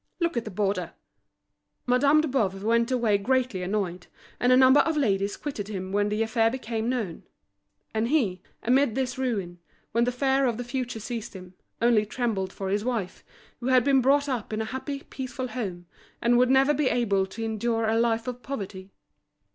Look at the border." Madame de Boves went away greatly annoyed, and a number of ladies quitted him when the affair became known. And he, amid this ruin, when the fear for the future seized him, only trembled for his wife, who had been brought up in a happy, peaceful home, and would never be able to endure a life of poverty.